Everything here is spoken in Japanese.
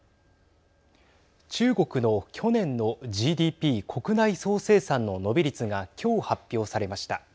中国の去年のＧＤＰ＝国内総生産の伸び率が今日、発表されました。